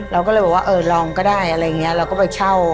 เราก็เลยบอกว่าเออลองก็ได้อะไรอย่างนี้เราก็ไปเช่า